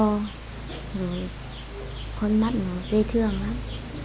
rồi con mắt nó dễ thương lắm